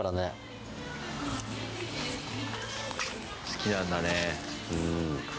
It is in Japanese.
好きなんだね。